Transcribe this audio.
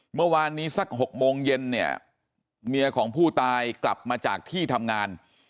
เมื่อวานนี้สัก๖โมงเย็นเนี่ยเมียของผู้ตายกลับมาจากที่ทำงาน